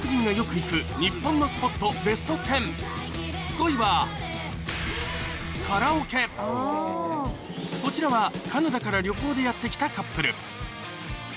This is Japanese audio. ５位はこちらはカナダから旅行でやって来たカップル